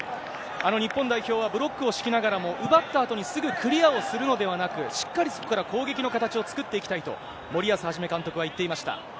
日本代表は、ブロックを敷きながらも、奪ったあとに、すぐクリアをするのではなく、しっかりそこから攻撃の形を作っていきたいと、森保一監督は言っていました。